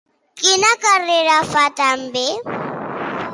Quina carrera fa també?